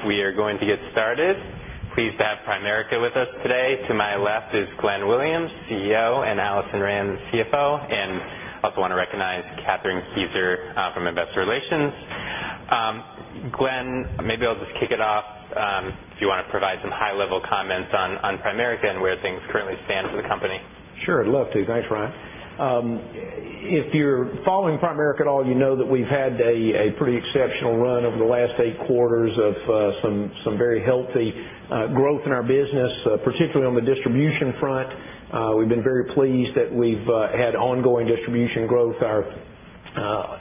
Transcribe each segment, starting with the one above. All right. We are going to get started. Pleased to have Primerica with us today. To my left is Glenn Williams, CEO, and Alison Rand, CFO, and also want to recognize Kathryn Kieser from Investor Relations. Glenn, maybe I'll just kick it off. Do you want to provide some high-level comments on Primerica and where things currently stand for the company? Sure. I'd love to. Thanks, Ryan. If you're following Primerica at all, you know that we've had a pretty exceptional run over the last eight quarters of some very healthy growth in our business, particularly on the distribution front. We've been very pleased that we've had ongoing distribution growth. Our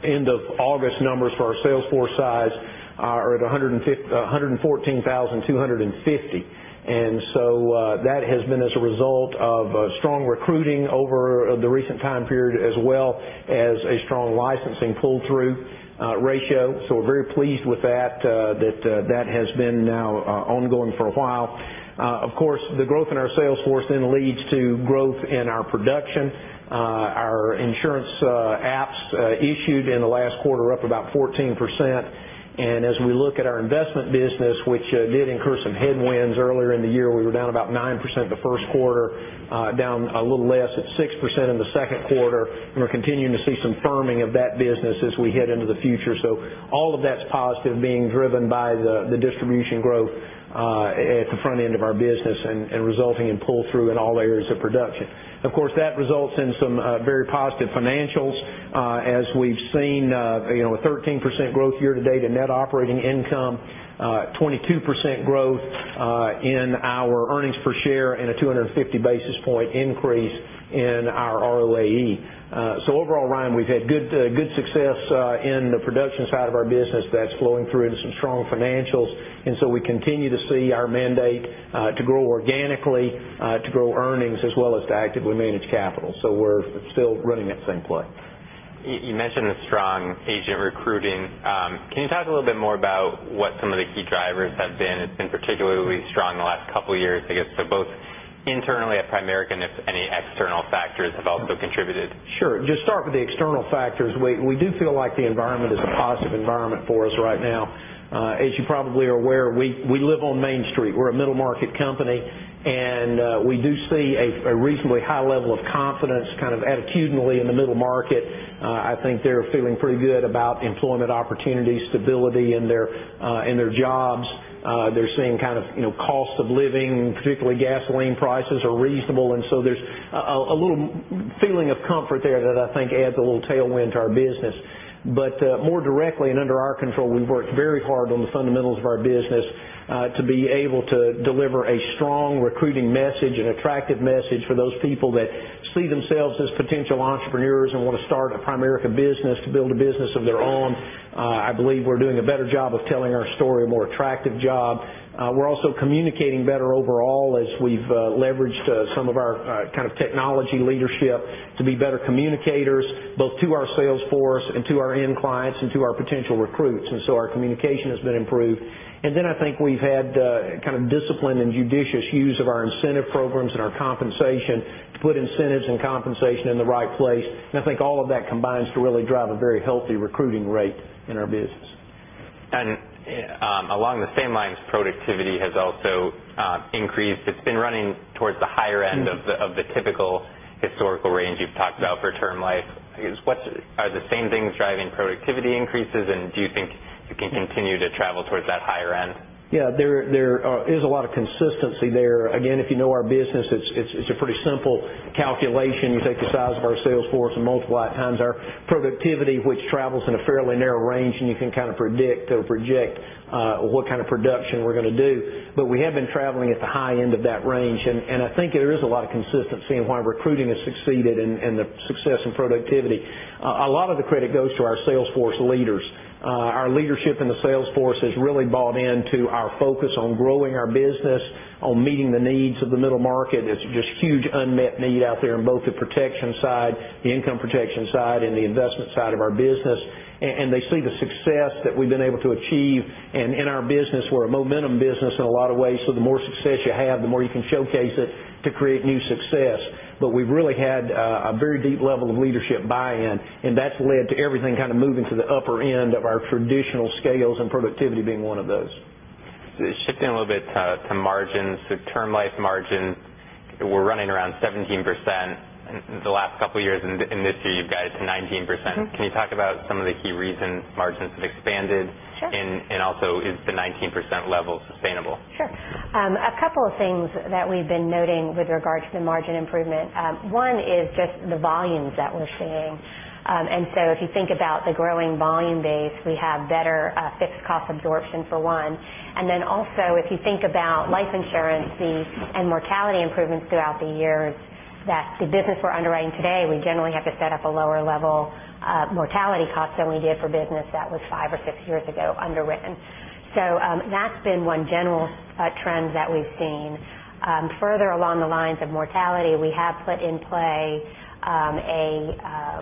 end of August numbers for our sales force size are at 114,250. That has been as a result of strong recruiting over the recent time period, as well as a strong licensing pull-through ratio. We're very pleased with that that has been now ongoing for a while. Of course, the growth in our sales force then leads to growth in our production. Our insurance apps issued in the last quarter are up about 14%. As we look at our investment business, which did incur some headwinds earlier in the year, we were down about 9% the first quarter, down a little less at 6% in the second quarter. We're continuing to see some firming of that business as we head into the future. All of that's positive being driven by the distribution growth at the front end of our business and resulting in pull-through in all areas of production. Of course, that results in some very positive financials. As we've seen, with 13% growth year-to-date in net operating income, 22% growth in our earnings per share, and a 250 basis point increase in our ROAE. Overall, Ryan, we've had good success in the production side of our business that's flowing through into some strong financials. We continue to see our mandate to grow organically, to grow earnings, as well as to actively manage capital. We're still running that same play. You mentioned the strong agent recruiting. Can you talk a little bit more about what some of the key drivers have been? It's been particularly strong the last couple of years, I guess. Both internally at Primerica, and if any external factors have also contributed. Sure. Just start with the external factors. We do feel like the environment is a positive environment for us right now. As you probably are aware, we live on Main Street. We're a middle-market company, we do see a reasonably high level of confidence kind of attitudinally in the middle market. I think they're feeling pretty good about employment opportunities, stability in their jobs. They're seeing cost of living, particularly gasoline prices, are reasonable, there's a little feeling of comfort there that I think adds a little tailwind to our business. More directly and under our control, we've worked very hard on the fundamentals of our business to be able to deliver a strong recruiting message, an attractive message for those people that see themselves as potential entrepreneurs and want to start a Primerica business to build a business of their own. I believe we're doing a better job of telling our story, a more attractive job. We're also communicating better overall as we've leveraged some of our technology leadership to be better communicators, both to our sales force, to our end clients, and to our potential recruits, our communication has been improved. I think we've had disciplined and judicious use of our incentive programs and our compensation to put incentives and compensation in the right place. I think all of that combines to really drive a very healthy recruiting rate in our business. Along the same lines, productivity has also increased. It's been running towards the higher end of the typical historical range you've talked about for Term Life. Are the same things driving productivity increases, and do you think it can continue to travel towards that higher end? Yeah, there is a lot of consistency there. Again, if you know our business, it's a pretty simple calculation. You take the size of our sales force and multiply it times our productivity, which travels in a fairly narrow range, and you can kind of predict or project what kind of production we're going to do. We have been traveling at the high end of that range, and I think there is a lot of consistency in why recruiting has succeeded and the success in productivity. A lot of the credit goes to our sales force leaders. Our leadership in the sales force has really bought into our focus on growing our business, on meeting the needs of the middle market. It's just a huge unmet need out there in both the protection side, the income protection side, and the investment side of our business. They see the success that we've been able to achieve in our business. We're a momentum business in a lot of ways, so the more success you have, the more you can showcase it to create new success. We've really had a very deep level of leadership buy-in, and that's led to everything kind of moving to the upper end of our traditional scales, and productivity being one of those. Shifting a little bit to margins, to Term Life margins, we're running around 17%. The last couple of years and this year, you've guided to 19%. Can you talk about some of the key reasons margins have expanded? Sure. Also, is the 19% level sustainable? Sure. A couple of things that we've been noting with regard to the margin improvement. One is just the volumes that we're seeing. If you think about the growing volume base, we have better fixed cost absorption for one. Also, if you think about life insurance fees and mortality improvements throughout the years, that the business we're underwriting today, we generally have to set up a lower level of mortality cost than we did for business that was five or six years ago underwritten. That's been one general trend that we've seen. Further along the lines of mortality, we have put in play a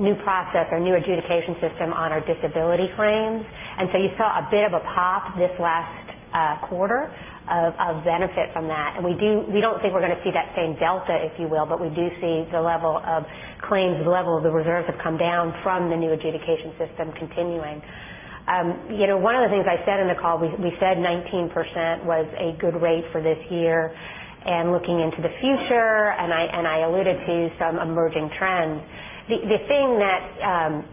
new process, a new adjudication system on our disability claims. You saw a bit of a pop this last quarter of benefit from that. We don't think we're going to see that same delta, if you will, but we do see the level of claims, the level of the reserves have come down from the new adjudication system continuing. One of the things I said in the call, we said 19% was a good rate for this year and looking into the future, and I alluded to some emerging trends. The thing that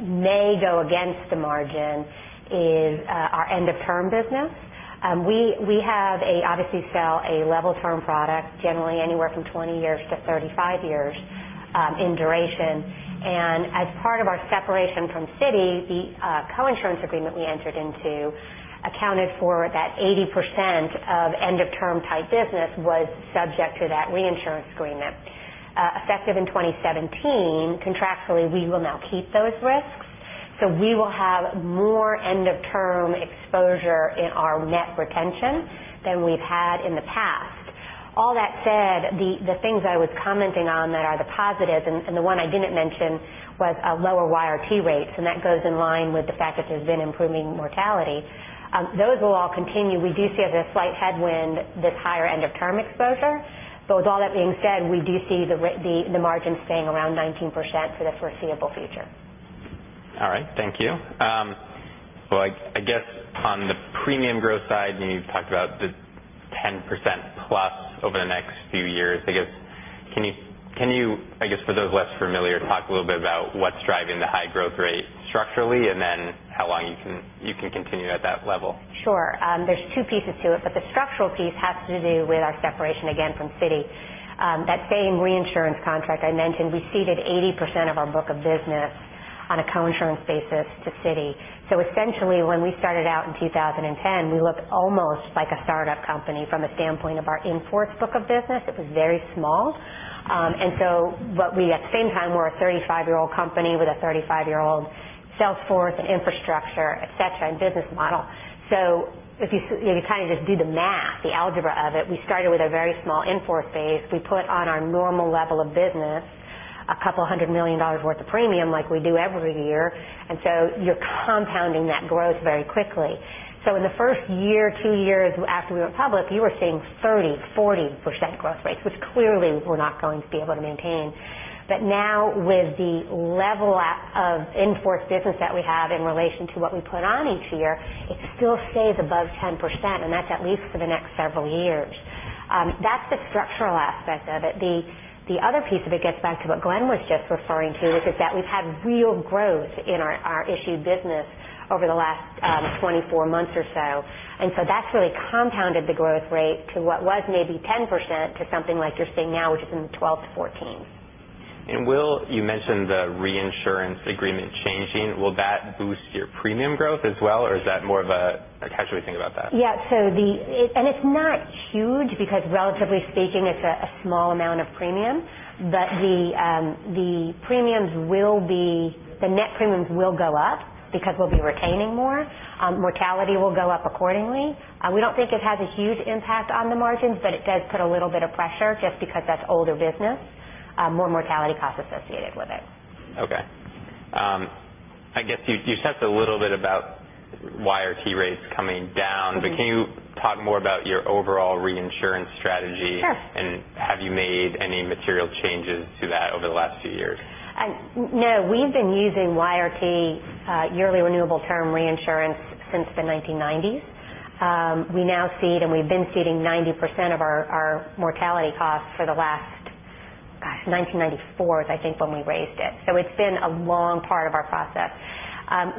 may go against the margin is our end of term business. We obviously sell a level term product, generally anywhere from 20 years to 35 years in duration. As part of our separation from Citi, the coinsurance agreement we entered into accounted for that 80% of end-of-term type business was subject to that reinsurance agreement. Effective in 2017, contractually, we will now keep those risks. We will have more end-of-term exposure in our net retention than we've had in the past. All that said, the things I was commenting on that are the positives and the one I didn't mention was lower YRT rates, and that goes in line with the fact that there's been improving mortality. Those will all continue. We do see as a slight headwind, this higher end of term exposure. With all that being said, we do see the margin staying around 19% for the foreseeable future. All right, thank you. I guess on the premium growth side, you talked about the 10% plus over the next few years. I guess, can you, for those less familiar, talk a little bit about what's driving the high growth rate structurally, and then how long you can continue at that level? Sure. The structural piece has to do with our separation, again, from Citi. That same reinsurance contract I mentioned, we ceded 80% of our book of business on a coinsurance basis to Citi. Essentially, when we started out in 2010, we looked almost like a startup company from the standpoint of our in-force book of business. It was very small. At the same time, we're a 35-year-old company with a 35-year-old sales force, infrastructure, et cetera, and business model. If you just do the math, the algebra of it, we started with a very small in-force base. We put on our normal level of business a couple hundred million dollars worth of premium like we do every year. You're compounding that growth very quickly. In the first year, two years after we went public, you were seeing 30%-40% growth rates, which clearly we're not going to be able to maintain. Now with the level of in-force business that we have in relation to what we put on each year, it still stays above 10%, and that's at least for the next several years. That's the structural aspect of it. The other piece of it gets back to what Glenn was just referring to, which is that we've had real growth in our issued business over the last 24 months or so. That's really compounded the growth rate to what was maybe 10% to something like you're seeing now, which is in the 12%-14%. You mentioned the reinsurance agreement changing. Will that boost your premium growth as well? How should we think about that? Yeah. It's not huge because relatively speaking, it's a small amount of premium, but the net premiums will go up because we'll be retaining more. Mortality will go up accordingly. We don't think it has a huge impact on the margins, but it does put a little bit of pressure just because that's older business, more mortality costs associated with it. Okay. I guess you touched a little bit about YRT rates coming down. Can you talk more about your overall reinsurance strategy? Sure. Have you made any material changes to that over the last few years? No. We've been using YRT, yearly renewable term reinsurance since the 1990s. We now cede, and we've been ceding 90% of our mortality costs for the last, gosh, 1994 is I think when we raised it. It's been a long part of our process.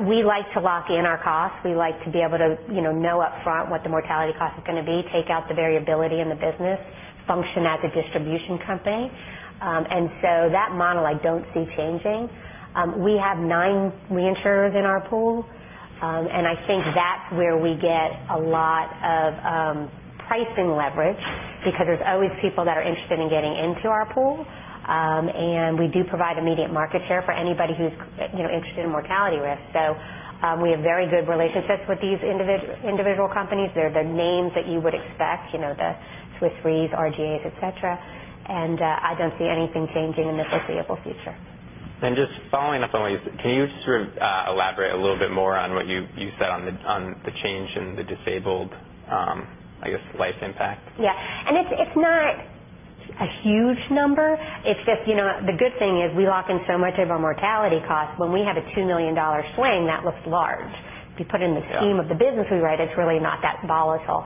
We like to lock in our costs. We like to be able to know upfront what the mortality cost is going to be, take out the variability in the business, function as a distribution company. That model, I don't see changing. We have nine reinsurers in our pool. I think that's where we get a lot of pricing leverage because there's always people that are interested in getting into our pool. We do provide immediate market share for anybody who's interested in mortality risk. We have very good relationships with these individual companies. They're the names that you would expect, the Swiss Re's, RGAs, et cetera. I don't see anything changing in the foreseeable future. Just following up on what you said, can you just elaborate a little bit more on what you said on the change in the disabled, I guess, life impact? Yeah. It's not a huge number. The good thing is we lock in so much of our mortality cost. When we have a $2 million swing, that looks large. If you put in the. Sure of the business we write, it's really not that volatile.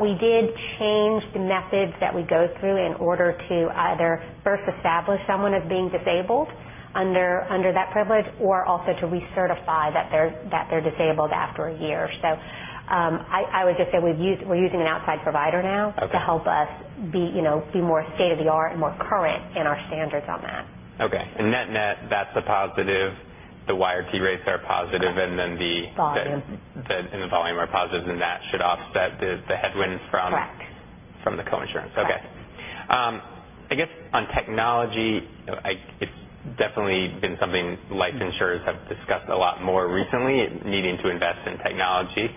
We did change the methods that we go through in order to either first establish someone as being disabled under that privilege or also to recertify that they're disabled after a year. I would just say we're using an outside provider. Okay to help us be more state-of-the-art and more current in our standards on that. Net, that's a positive. The YRT rates are positive. Volume The volume are positive. That should offset the headwinds. Correct from the coinsurance. Correct. Okay. I guess on technology, it's definitely been something life insurers have discussed a lot more recently, needing to invest in technology.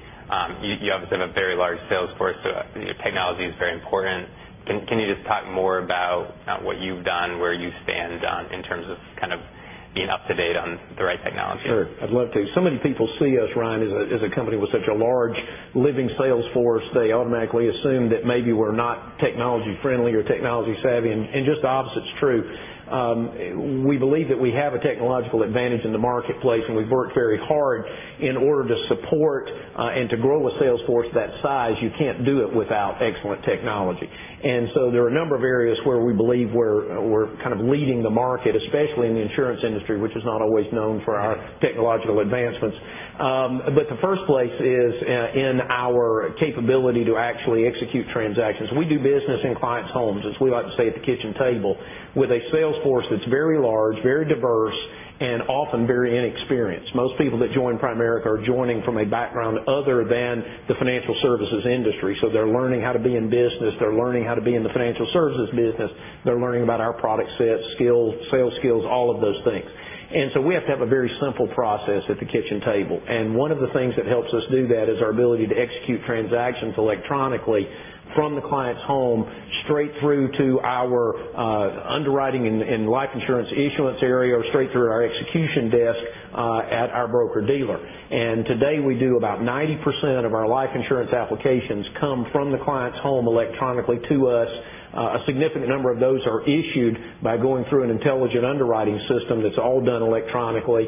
You obviously have a very large sales force. Technology is very important. Can you just talk more about what you've done, where you stand in terms of being up to date on the right technology. Sure. I'd love to. Many people see us, Ryan, as a company with such a large living sales force, they automatically assume that maybe we're not technology-friendly or technology-savvy, and just the opposite's true. We believe that we have a technological advantage in the marketplace, and we've worked very hard in order to support and to grow a sales force that size, you can't do it without excellent technology. There are a number of areas where we believe we're kind of leading the market, especially in the insurance industry, which is not always known for our technological advancements. The first place is in our capability to actually execute transactions. We do business in clients' homes, as we like to say, at the kitchen table, with a sales force that's very large, very diverse, and often very inexperienced. Most people that join Primerica are joining from a background other than the financial services industry. They're learning how to be in business. They're learning how to be in the financial services business. They're learning about our product set, sales skills, all of those things. We have to have a very simple process at the kitchen table. One of the things that helps us do that is our ability to execute transactions electronically from the client's home straight through to our underwriting and life insurance issuance area or straight through our execution desk at our broker-dealer. Today, we do about 90% of our life insurance applications come from the client's home electronically to us. A significant number of those are issued by going through an intelligent underwriting system that's all done electronically,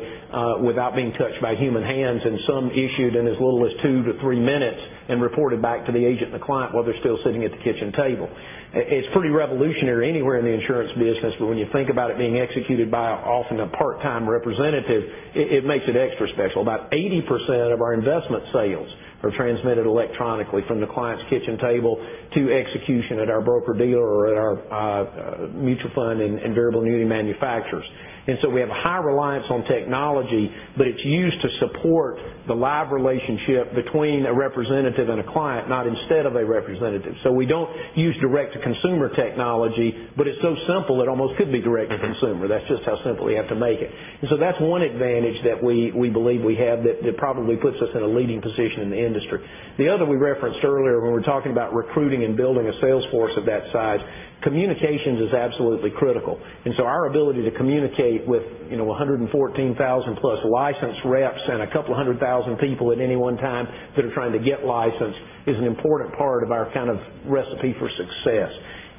without being touched by human hands, and some issued in as little as two to three minutes and reported back to the agent and the client while they're still sitting at the kitchen table. It's pretty revolutionary anywhere in the insurance business, but when you think about it being executed by often a part-time representative, it makes it extra special. About 80% of our investment sales are transmitted electronically from the client's kitchen table to execution at our broker-dealer or at our mutual fund and variable annuity manufacturers. We have a high reliance on technology, but it's used to support the live relationship between a representative and a client, not instead of a representative. We don't use direct-to-consumer technology, it's so simple it almost could be direct to consumer. That's just how simple you have to make it. That's one advantage that we believe we have that probably puts us in a leading position in the industry. The other we referenced earlier when we were talking about recruiting and building a sales force of that size, communications is absolutely critical. Our ability to communicate with 114,000-plus licensed reps and a couple of 100,000 people at any one time that are trying to get licensed is an important part of our kind of recipe for success.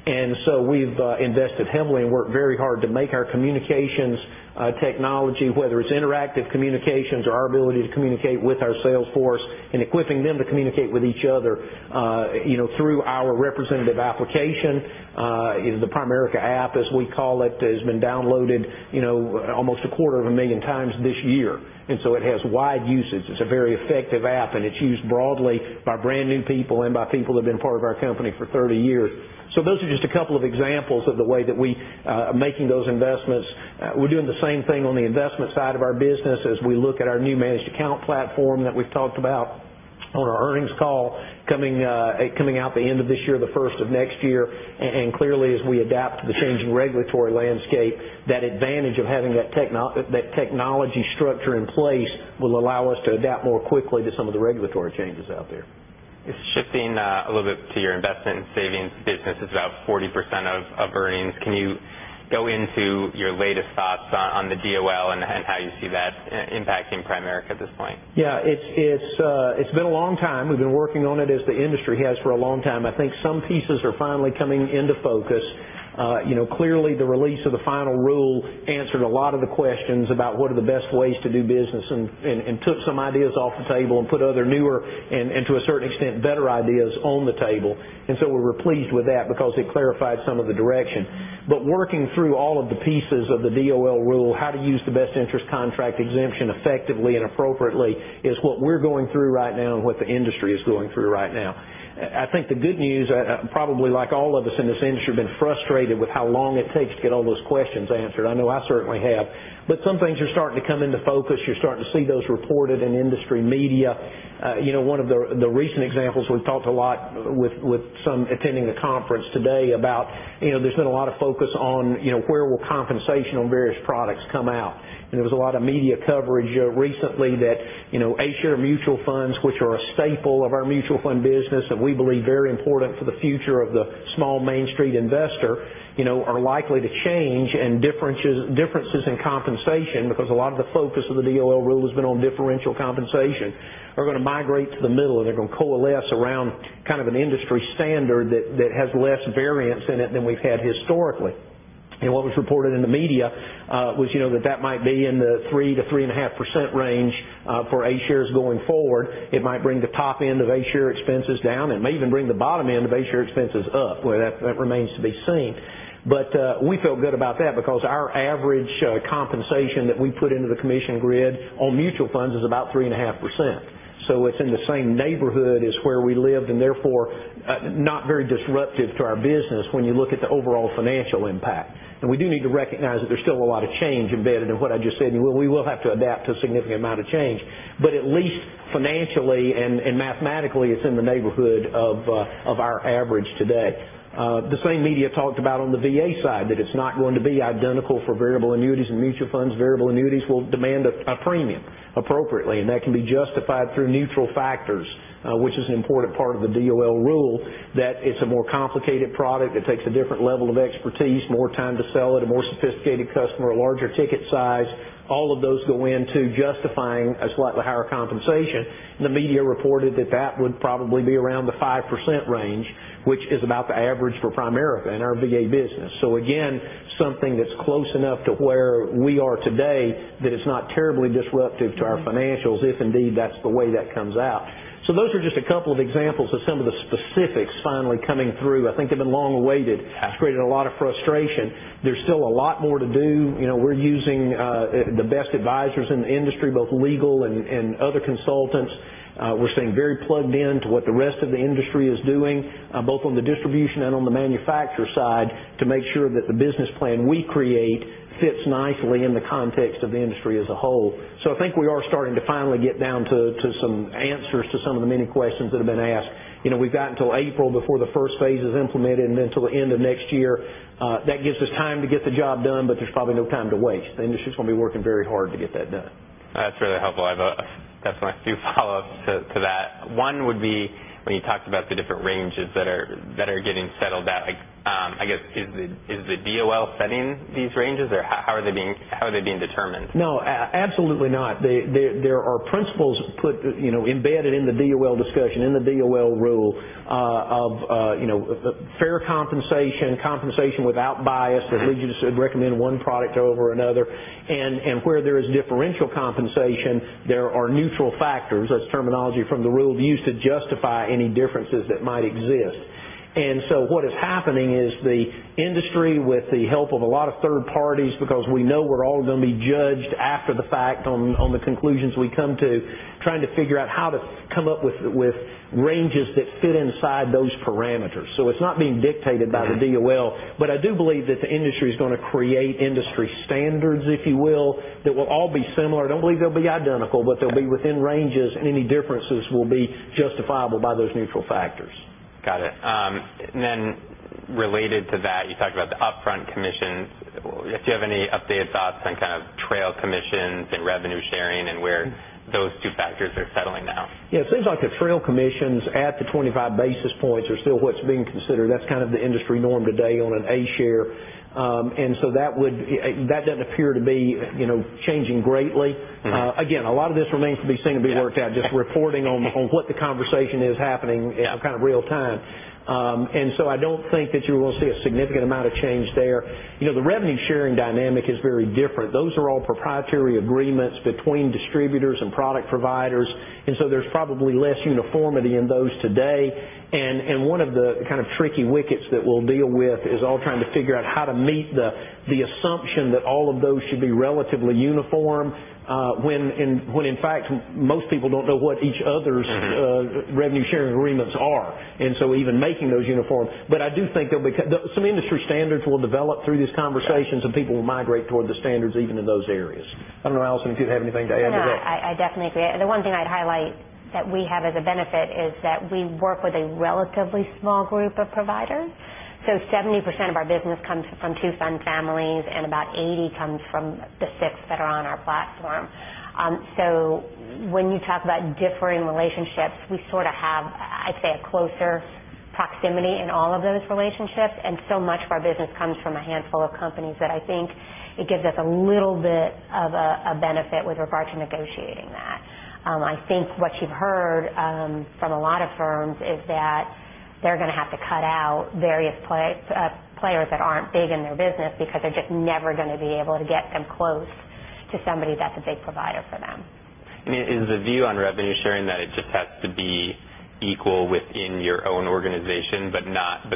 We've invested heavily and worked very hard to make our communications technology, whether it's interactive communications or our ability to communicate with our sales force and equipping them to communicate with each other through our representative application, the Primerica app, as we call it, has been downloaded almost a quarter of a million times this year, it has wide usage. It's a very effective app, and it's used broadly by brand-new people and by people who have been part of our company for 30 years. Those are just a couple of examples of the way that we are making those investments. We're doing the same thing on the investment side of our business as we look at our new Managed Account platform that we've talked about on our earnings call coming out the end of this year, the first of next year. Clearly, as we adapt to the changing regulatory landscape, that advantage of having that technology structure in place will allow us to adapt more quickly to some of the regulatory changes out there. Shifting a little bit to your investment and savings business, it's about 40% of earnings. Can you go into your latest thoughts on the DOL and how you see that impacting Primerica at this point? Yeah. It's been a long time. We've been working on it as the industry has for a long time. I think some pieces are finally coming into focus. Clearly, the release of the final rule answered a lot of the questions about what are the best ways to do business and took some ideas off the table and put other newer, and to a certain extent, better ideas on the table. We were pleased with that because it clarified some of the direction. Working through all of the pieces of the DOL rule, how to use the Best Interest Contract Exemption effectively and appropriately is what we're going through right now and what the industry is going through right now. I think the good news, probably like all of us in this industry have been frustrated with how long it takes to get all those questions answered. I know I certainly have, but some things are starting to come into focus. You're starting to see those reported in industry media. One of the recent examples we've talked a lot with some attending a conference today about, there's been a lot of focus on where will compensation on various products come out. There was a lot of media coverage recently that A-share mutual funds, which are a staple of our mutual fund business, that we believe very important for the future of the small Main Street investor, are likely to change and differences in compensation, because a lot of the focus of the DOL rule has been on differential compensation, are going to migrate to the middle, and they're going to coalesce around kind of an industry standard that has less variance in it than we've had historically. What was reported in the media, was that might be in the 3%-3.5% range for A-shares going forward. It might bring the top end of A-share expenses down. It may even bring the bottom end of A-share expenses up, but that remains to be seen. We feel good about that because our average compensation that we put into the commission grid on mutual funds is about 3.5%. It's in the same neighborhood as where we lived, and therefore, not very disruptive to our business when you look at the overall financial impact. We do need to recognize that there's still a lot of change embedded in what I just said, and we will have to adapt to a significant amount of change. At least financially and mathematically, it's in the neighborhood of our average today. The same media talked about on the VA side, that it's not going to be identical for variable annuities and mutual funds. Variable annuities will demand a premium appropriately, and that can be justified through neutral factors, which is an important part of the DOL rule, that it's a more complicated product, it takes a different level of expertise, more time to sell it, a more sophisticated customer, a larger ticket size. All of those go into justifying a slightly higher compensation. The media reported that that would probably be around the 5% range, which is about the average for Primerica in our VA business. Again, something that's close enough to where we are today that it's not terribly disruptive to our financials, if indeed that's the way that comes out. Those are just a couple of examples of some of the specifics finally coming through. I think they've been long awaited. It's created a lot of frustration. There's still a lot more to do. We're using the best advisors in the industry, both legal and other consultants. We're staying very plugged in to what the rest of the industry is doing, both on the distribution and on the manufacturer side, to make sure that the business plan we create fits nicely in the context of the industry as a whole. I think we are starting to finally get down to some answers to some of the many questions that have been asked. We've got until April before the first phase is implemented, and then till the end of next year. That gives us time to get the job done. There's probably no time to waste. The industry's going to be working very hard to get that done. That's really helpful. I have a few follow-ups to that. One would be when you talked about the different ranges that are getting settled at. I guess, is the DOL setting these ranges, or how are they being determined? No, absolutely not. There are principles embedded in the DOL discussion, in the DOL rule, of fair compensation without bias that leads you to recommend one product over another. Where there is differential compensation, there are neutral factors. That's terminology from the rule used to justify any differences that might exist. What is happening is the industry, with the help of a lot of third parties, because we know we're all going to be judged after the fact on the conclusions we come to, trying to figure out how to come up with ranges that fit inside those parameters. It's not being dictated by the DOL. I do believe that the industry's going to create industry standards, if you will, that will all be similar. I don't believe they'll be identical. They'll be within ranges. Any differences will be justifiable by those neutral factors. Got it. Related to that, you talked about the upfront commissions. If you have any updated thoughts on kind of trail commissions and revenue sharing and where those two factors are settling now? Yeah. It seems like the trail commissions at the 25 basis points are still what's being considered. That's kind of the industry norm today on an A-share. That doesn't appear to be changing greatly. Again, a lot of this remains to be seen, to be worked out, just reporting on what the conversation is happening in kind of real time. I don't think that you're going to see a significant amount of change there. The revenue-sharing dynamic is very different. Those are all proprietary agreements between distributors and product providers, and so there's probably less uniformity in those today. One of the kind of tricky wickets that we'll deal with is all trying to figure out how to meet the assumption that all of those should be relatively uniform when, in fact, most people don't know what each other's revenue-sharing agreements are, and so even making those uniform. I do think some industry standards will develop through these conversations, and people will migrate toward the standards, even in those areas. I don't know, Alison, if you have anything to add to that. No, I definitely agree. The one thing I'd highlight that we have as a benefit is that we work with a relatively small group of providers. 70% of our business comes from two fund families, and about 80 comes from the six that are on our platform. When you talk about differing relationships, we sort of have, I'd say, a closer proximity in all of those relationships, and so much of our business comes from a handful of companies that I think it gives us a little bit of a benefit with regard to negotiating that. I think what you've heard from a lot of firms is that they're going to have to cut out various players that aren't big in their business because they're just never going to be able to get them close to somebody that's a big provider for them. Is the view on revenue sharing that it just has to be equal within your own organization, but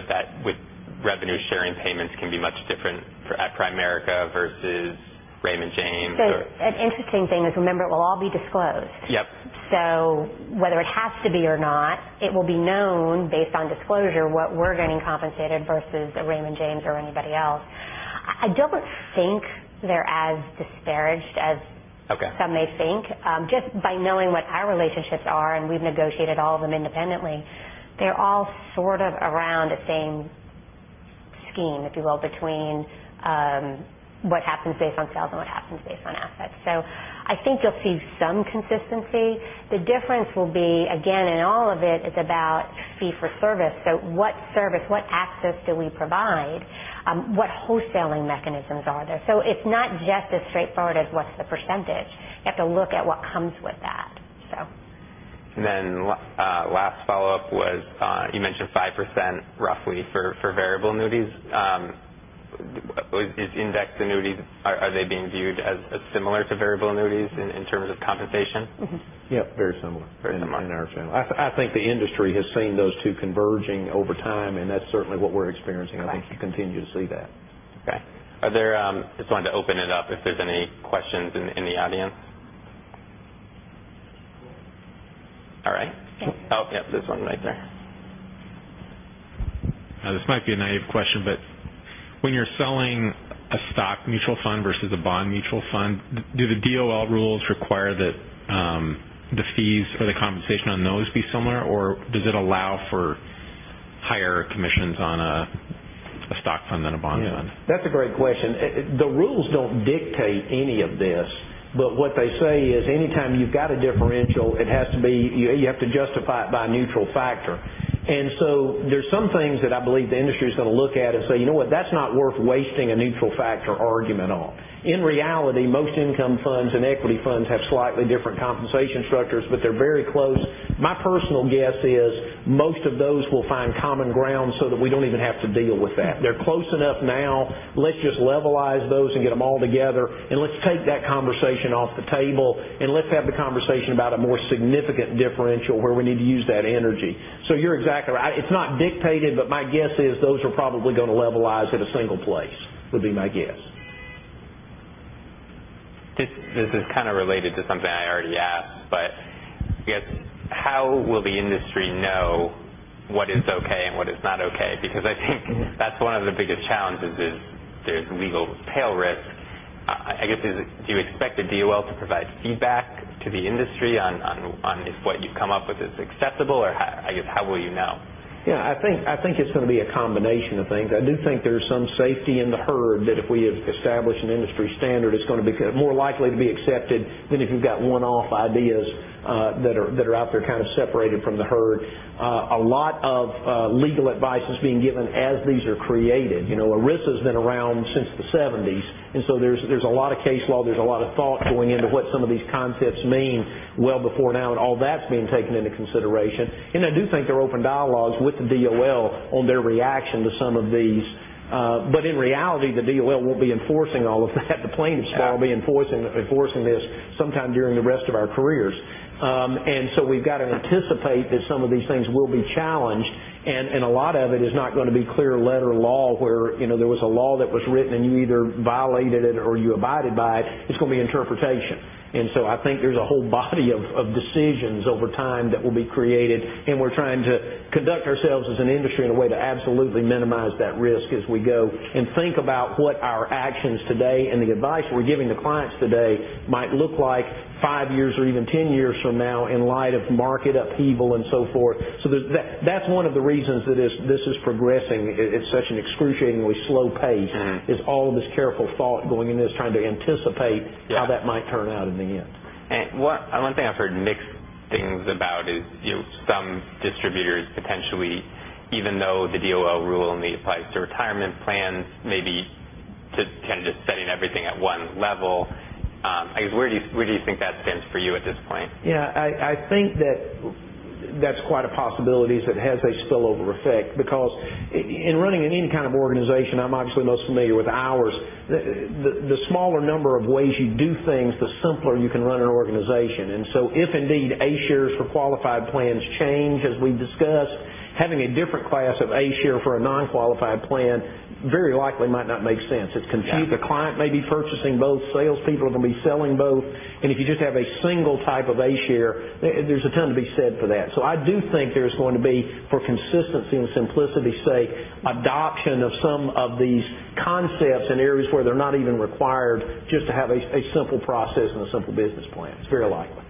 that with revenue-sharing payments can be much different at Primerica versus Raymond James, or? An interesting thing is, remember, it will all be disclosed. Yep. Whether it has to be or not, it will be known based on disclosure what we're getting compensated versus a Raymond James or anybody else. I don't think they're as disparaged as some may think. Okay. Just by knowing what our relationships are, we've negotiated all of them independently, they're all sort of around the same scheme, if you will, between what happens based on sales and what happens based on assets. I think you'll see some consistency. The difference will be, again, in all of it's about fee for service. What service, what access do we provide? What wholesaling mechanisms are there? It's not just as straightforward as what's the percentage. You have to look at what comes with that. Last follow-up was, you mentioned 5% roughly for variable annuities. Is indexed annuities, are they being viewed as similar to variable annuities in terms of compensation? Yep, very similar. Very similar. In our channel. I think the industry has seen those two converging over time. That's certainly what we're experiencing. Right. I think you continue to see that. Okay. Just wanted to open it up if there's any questions in the audience. All right. Okay. Oh, yep. There's one right there. This might be a naive question, when you're selling a stock mutual fund versus a bond mutual fund, do the DOL rules require that the fees or the compensation on those be similar, or does it allow for higher commissions on a stock fund than a bond fund? Yeah. That's a great question. The rules don't dictate any of this, what they say is anytime you've got a differential, you have to justify it by a neutral factor. There's some things that I believe the industry's going to look at and say, "You know what? That's not worth wasting a neutral factor argument on." In reality, most income funds and equity funds have slightly different compensation structures, but they're very close. My personal guess is most of those will find common ground so that we don't even have to deal with that. They're close enough now. Let's just levelize those and get them all together, and let's take that conversation off the table, and let's have the conversation about a more significant differential where we need to use that energy. You're exactly right. It's not dictated, but my guess is those are probably going to levelize at a single place, would be my guess. This is kind of related to something I already asked, I guess, how will the industry know what is okay and what is not okay? I think that's one of the biggest challenges is there's legal tail risk. I guess, do you expect the DOL to provide feedback to the industry on if what you've come up with is acceptable or, I guess, how will you know? Yeah, I think it's going to be a combination of things. I do think there's some safety in the herd that if we establish an industry standard, it's going to be more likely to be accepted than if you've got one-off ideas that are out there kind of separated from the herd. A lot of legal advice is being given as these are created. ERISA's been around since the 1970s. There's a lot of case law, there's a lot of thought going into what some of these concepts mean well before now. All that's being taken into consideration. I do think there are open dialogues with the DOL on their reaction to some of these. In reality, the DOL won't be enforcing all of that. The plaintiffs will be enforcing this sometime during the rest of our careers. We've got to anticipate that some of these things will be challenged. A lot of it is not going to be clear letter law where there was a law that was written. You either violated it or you abided by it. It's going to be interpretation. I think there's a whole body of decisions over time that will be created. We're trying to conduct ourselves as an industry in a way to absolutely minimize that risk as we go. Think about what our actions today and the advice we're giving to clients today might look like five years or even 10 years from now in light of market upheaval and so forth. That's one of the reasons that this is progressing at such an excruciatingly slow pace is all of this careful thought going into this, trying to anticipate Yeah how that might turn out in the end. One thing I've heard mixed things about is some distributors potentially, even though the DOL Rule only applies to retirement plans, maybe kind of just setting everything at 1 level. I guess, where do you think that stands for you at this point? I think that that's quite a possibility, is it has a spill-over effect because in running any kind of organization, I'm obviously most familiar with ours, the smaller number of ways you do things, the simpler you can run an organization. If indeed A-shares for qualified plans change, as we've discussed, having a different class of A-share for a non-qualified plan very likely might not make sense. It's confusing. Yeah. The client may be purchasing both, salespeople are going to be selling both, if you just have a single type of A-share, there's a ton to be said for that. I do think there's going to be, for consistency and simplicity's sake, adoption of some of these concepts in areas where they're not even required, just to have a simple process and a simple business plan. It's very likely.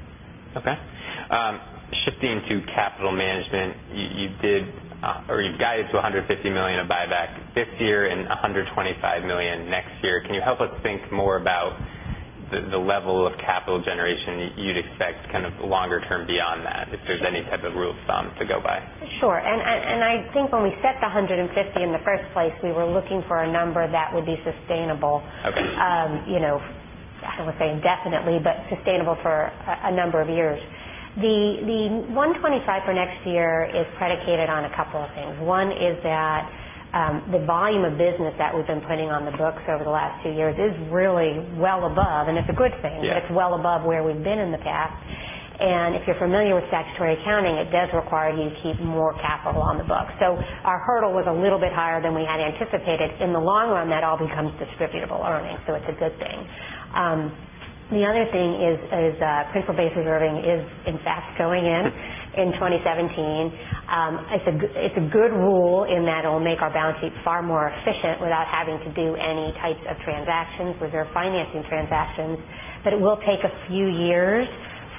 Shifting to capital management, you've guided to $150 million of buyback this year and $125 million next year. Can you help us think more about the level of capital generation you'd expect kind of longer term beyond that? If there's any type of rule of thumb to go by. Sure. I think when we set the 150 in the first place, we were looking for a number that would be sustainable. Okay. I won't say indefinitely, but sustainable for a number of years. The 125 for next year is predicated on a couple of things. One is that the volume of business that we've been putting on the books over the last two years is really well above, and it's a good thing. Yeah It's well above where we've been in the past. If you're familiar with statutory accounting, it does require you to keep more capital on the books. Our hurdle was a little bit higher than we had anticipated. In the long run, that all becomes distributable earnings, so it's a good thing. The other thing is, principle-based reserving is in fact going in in 2017. It's a good rule in that it'll make our balance sheet far more efficient without having to do any types of transactions, reserve financing transactions, but it will take a few years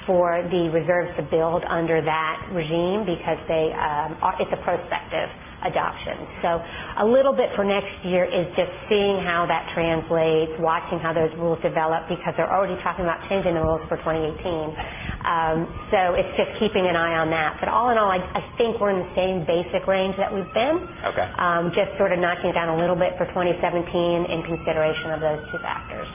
for the reserves to build under that regime because it's a prospective adoption. A little bit for next year is just seeing how that translates, watching how those rules develop, because they're already talking about changing the rules for 2018. It's just keeping an eye on that. All in all, I think we're in the same basic range that we've been. Okay. Just sort of knocking it down a little bit for 2017 in consideration of those two factors.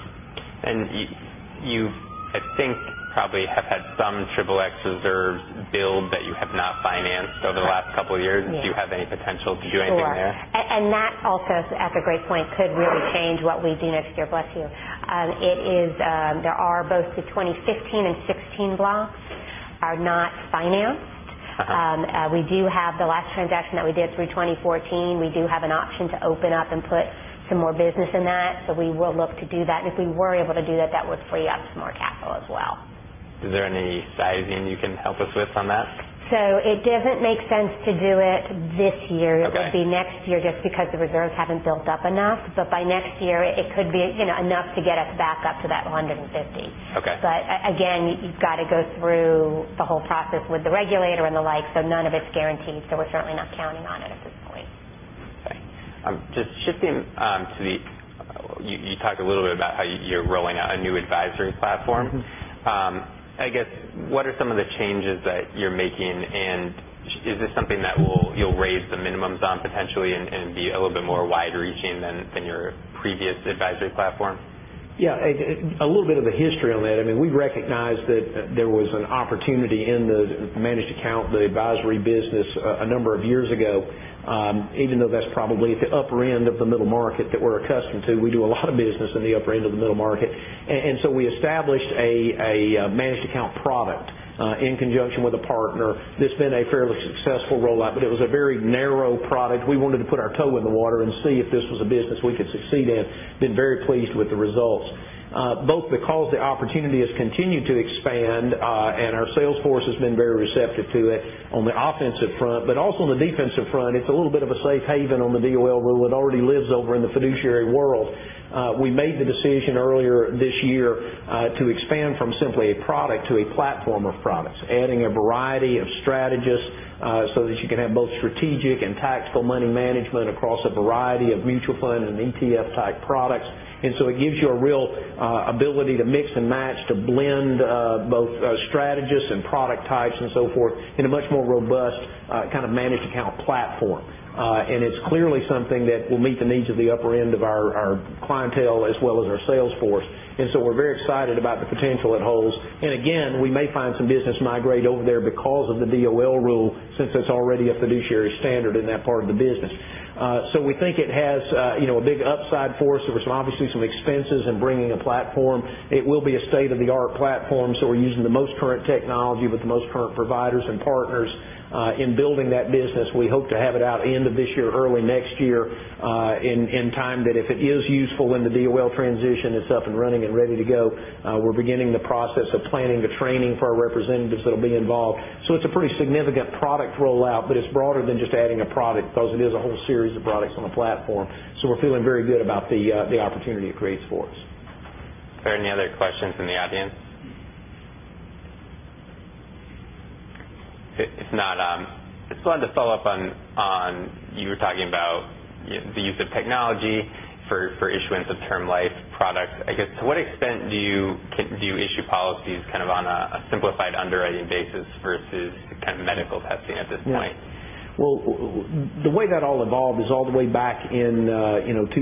You've, I think, probably have had some Regulation XXX reserves build that you have not financed over the last couple of years. Yeah. Do you have any potential to do anything there? Sure. That also, that's a great point, could really change what we do next year. Bless you. There are both the 2015 and 2016 blocks are not financed. Okay. We do have the last transaction that we did through 2014. We do have an option to open up and put some more business in that. We will look to do that, and if we were able to do that would free up some more capital as well. Is there any sizing you can help us with on that? It doesn't make sense to do it this year. Okay. It would be next year just because the reserves haven't built up enough. By next year, it could be enough to get us back up to that 150. Okay. Again, you've got to go through the whole process with the regulator and the like, none of it's guaranteed, we're certainly not counting on it at this point. Okay. Just shifting, you talked a little bit about how you're rolling out a new advisory platform. I guess, what are some of the changes that you're making, and is this something that you'll raise the minimums on potentially and be a little bit more wide-reaching than your previous advisory platform? Yeah. A little bit of a history on that. We recognized that there was an opportunity in the managed account, the advisory business, a number of years ago, even though that's probably at the upper end of the middle market that we're accustomed to. We do a lot of business in the upper end of the middle market. We established a managed account product in conjunction with a partner. It's been a fairly successful rollout, but it was a very narrow product. We wanted to put our toe in the water and see if this was a business we could succeed in. Been very pleased with the results. Both because the opportunity has continued to expand. Our sales force has been very receptive to it on the offensive front. Also on the defensive front, it's a little bit of a safe haven on the DOL Rule that already lives over in the fiduciary world. We made the decision earlier this year to expand from simply a product to a platform of products, adding a variety of strategists so that you can have both strategic and tactical money management across a variety of mutual fund and ETF-type products. It gives you a real ability to mix and match, to blend both strategists and product types and so forth in a much more robust kind of managed account platform. It's clearly something that will meet the needs of the upper end of our clientele as well as our sales force. We're very excited about the potential it holds. Again, we may find some business migrate over there because of the DOL Rule, since that's already a fiduciary standard in that part of the business. We think it has a big upside for us. There was obviously some expenses in bringing a platform. It will be a state-of-the-art platform, so we're using the most current technology with the most current providers and partners in building that business. We hope to have it out end of this year, early next year, in time that if it is useful when the DOL transition is up and running and ready to go. We're beginning the process of planning the training for our representatives that'll be involved. It's a pretty significant product rollout, but it's broader than just adding a product because it is a whole series of products on a platform. We're feeling very good about the opportunity it creates for us. Are there any other questions in the audience? If not, I just wanted to follow up on you were talking about the use of technology for issuance of Term Life products. I guess, to what extent do you issue policies on a simplified underwriting basis versus kind of medical testing at this point? Well, the way that all evolved is all the way back in 2007,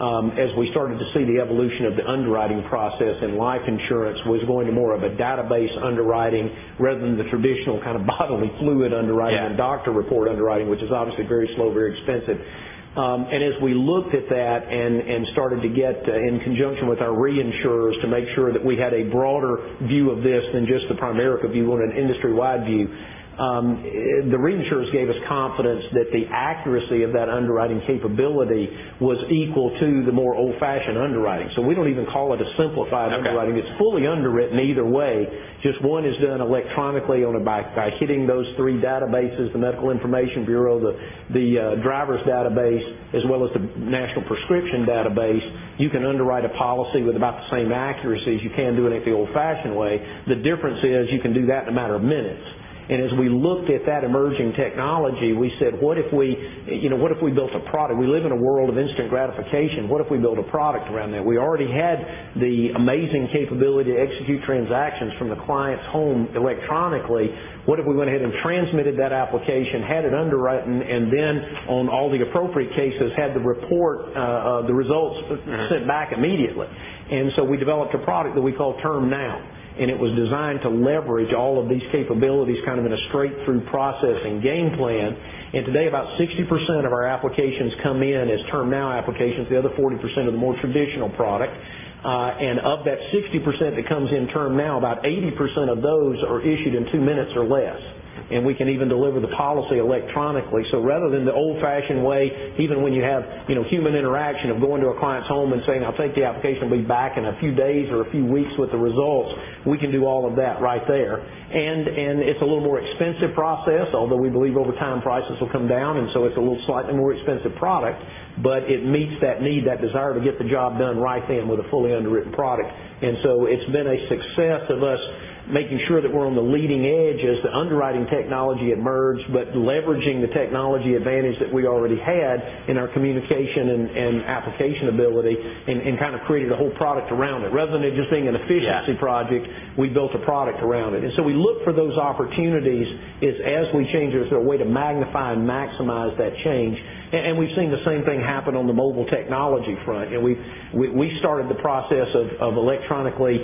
as we started to see the evolution of the underwriting process in life insurance was going to more of a database underwriting rather than the traditional kind of bodily fluid underwriting. Yeah Doctor report underwriting, which is obviously very slow, very expensive. As we looked at that and started to get in conjunction with our reinsurers to make sure that we had a broader view of this than just the Primerica view, on an industry-wide view, the reinsurers gave us confidence that the accuracy of that underwriting capability was equal to the more old-fashioned underwriting. We don't even call it a simplified underwriting. Okay. It's fully underwritten either way. Just one is done electronically by hitting those three databases, the Medical Information Bureau, the driver's database, as well as the national prescription database. You can underwrite a policy with about the same accuracy as you can doing it the old-fashioned way. The difference is you can do that in a matter of minutes. As we looked at that emerging technology, we said, "What if we built a product? We live in a world of instant gratification. What if we build a product around that?" We already had the amazing capability to execute transactions from the client's home electronically. What if we went ahead and transmitted that application, had it underwritten, and then on all the appropriate cases, had the report of the results sent back immediately? We developed a product that we call TermNow, and it was designed to leverage all of these capabilities in a straight-through processing game plan. Today about 60% of our applications come in as TermNow applications. The other 40% are the more traditional product. Of that 60% that comes in TermNow, about 80% of those are issued in two minutes or less. We can even deliver the policy electronically. Rather than the old-fashioned way, even when you have human interaction of going to a client's home and saying, "I'll take the application. It'll be back in a few days or a few weeks with the results," we can do all of that right there. It's a little more expensive process, although we believe over time prices will come down. So it's a little slightly more expensive product, but it meets that need, that desire to get the job done right then with a fully underwritten product. It's been a success of us making sure that we're on the leading edge as the underwriting technology emerged, but leveraging the technology advantage that we already had in our communication and application ability and kind of created a whole product around it. Rather than it just being an efficiency project. Yeah We built a product around it. We look for those opportunities as we change, is there a way to magnify and maximize that change? We've seen the same thing happen on the mobile technology front. We started the process of electronically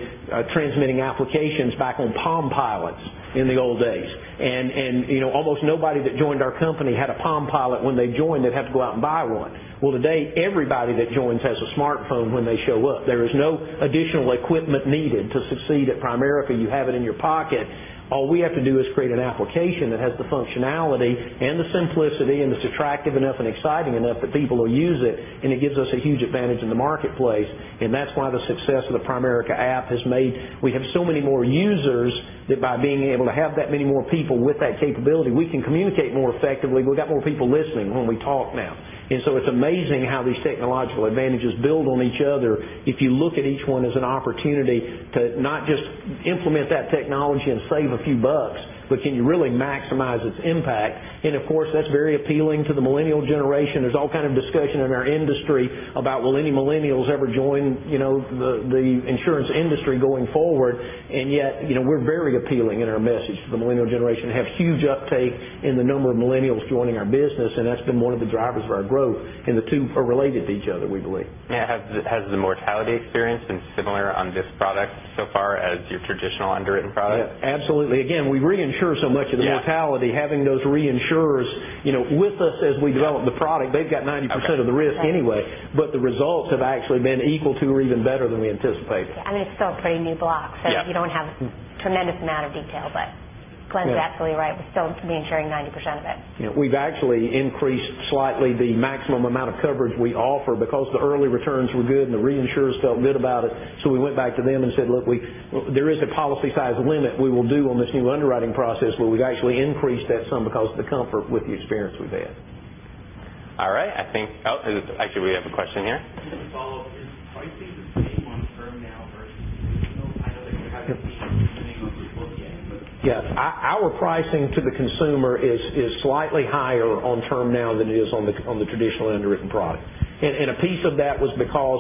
transmitting applications back on PalmPilots in the old days. Almost nobody that joined our company had a PalmPilot when they joined. They'd have to go out and buy one. Well, today, everybody that joins has a smartphone when they show up. There is no additional equipment needed to succeed at Primerica. You have it in your pocket. All we have to do is create an application that has the functionality and the simplicity, and it's attractive enough and exciting enough that people will use it, and it gives us a huge advantage in the marketplace. That's why the success of the Primerica app has made. We have so many more users that by being able to have that many more people with that capability, we can communicate more effectively. We've got more people listening when we talk now. It's amazing how these technological advantages build on each other if you look at each one as an opportunity to not just implement that technology and save a few bucks, but can you really maximize its impact? Of course, that's very appealing to the millennial generation. There's all kind of discussion in our industry about will any millennials ever join the insurance industry going forward? We're very appealing in our message to the millennial generation, have huge uptake in the number of millennials joining our business, and that's been one of the drivers of our growth. The two are related to each other, we believe. Yeah. Has the mortality experience been similar on this product so far as your traditional underwritten product? Yeah, absolutely. Again, we reinsure so much of the mortality. Yeah Having those reinsurers with us as we develop the product, they've got 90% of the risk anyway. Okay. The results have actually been equal to or even better than we anticipated. It's still a pretty new block. Yeah. You don't have a tremendous amount of detail, but Glenn's absolutely right. We're still reinsuring 90% of it. Yeah. We've actually increased slightly the maximum amount of coverage we offer because the early returns were good, and the reinsurers felt good about it. We went back to them and said, "Look, there is a policy size limit we will do on this new underwriting process, but we've actually increased that some because the comfort with the experience we've had. All right. Actually we have a question here. Just to follow up, is pricing the same on TermNow versus traditional? I know that you haven't seen any trending on your book yet, but. Yes. Our pricing to the consumer is slightly higher on TermNow than it is on the traditionally underwritten product. A piece of that was because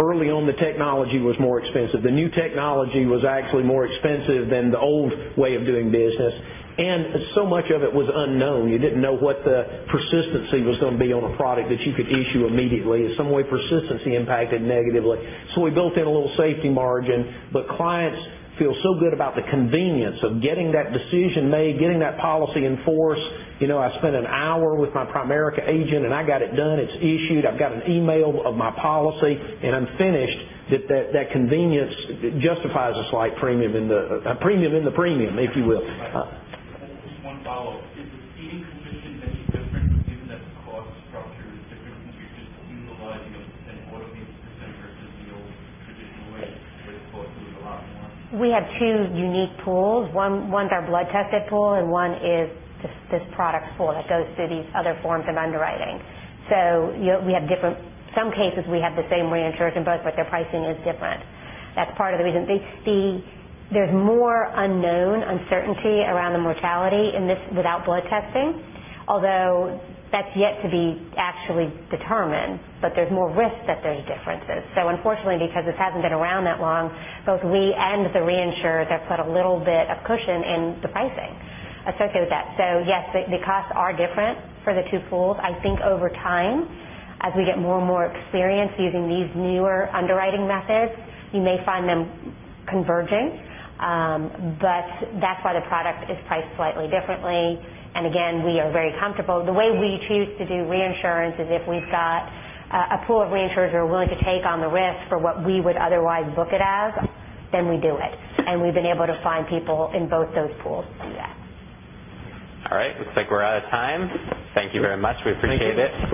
early on, the technology was more expensive. The new technology was actually more expensive than the old way of doing business, and so much of it was unknown. You didn't know what the persistency was going to be on a product that you could issue immediately. In some way, persistency impacted negatively. We built in a little safety margin. Clients feel so good about the convenience of getting that decision made, getting that policy in force. I spent an hour with my Primerica agent, and I got it done. It's issued. I've got an email of my policy, and I'm finished. That convenience justifies a slight premium in the premium, if you will. Just one follow-up. Is the ceding commission any different given that the cost structure is different since you're just utilizing an automated system versus the old traditional way where the cost was a lot more? We have two unique pools. One's our blood tested pool, and one is this product pool that goes through these other forms of underwriting. We have different. Some cases, we have the same reinsurer in both, but their pricing is different. That's part of the reason. There's more unknown uncertainty around the mortality in this without blood testing, although that's yet to be actually determined. There's more risk that there's differences. Unfortunately, because this hasn't been around that long, both we and the reinsurers have put a little bit of cushion in the pricing associated with that. Yes, the costs are different for the two pools. I think over time, as we get more and more experience using these newer underwriting methods, you may find them converging. That's why the product is priced slightly differently. Again, we are very comfortable. The way we choose to do reinsurance is if we've got a pool of reinsurers who are willing to take on the risk for what we would otherwise book it as, then we do it. We've been able to find people in both those pools to do that. All right. Looks like we're out of time. Thank you very much. We appreciate it.